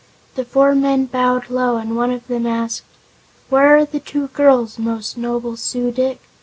The four men bowed low and one of them asked: "Where are the two girls, most noble Su dic?"